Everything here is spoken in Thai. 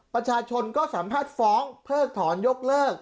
ประชาชนก็สามารถฟ้องเพิกถอนยกเลิก